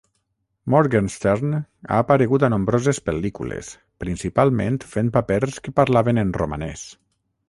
Morgenstern ha aparegut a nombroses pel·lícules, principalment fent papers que parlaven en romanès.